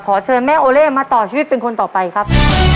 เชิญแม่โอเล่มาต่อชีวิตเป็นคนต่อไปครับ